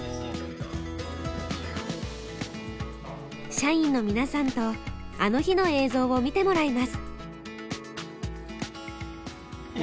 社員の皆さんと「あの日」の映像を見てもらいます。